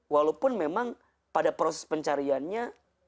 walaupun memang pada proses pencariannya